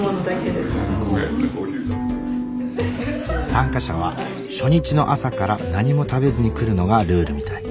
参加者は初日の朝から何も食べずに来るのがルールみたい。